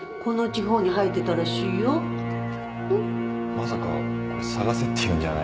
まさかこれ探せって言うんじゃ。